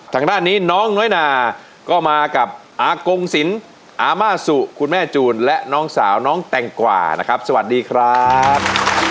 ทางด้านนี้น้องน้อยนาก็มากับอากงศิลป์อาม่าสุคุณแม่จูนและน้องสาวน้องแตงกว่านะครับสวัสดีครับ